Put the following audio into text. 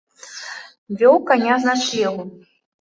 Вёў каня з начлегу.